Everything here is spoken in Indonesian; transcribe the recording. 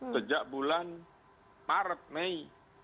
sejak bulan maret mei